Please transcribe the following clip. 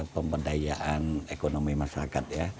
pemberdayaan ekonomi masyarakat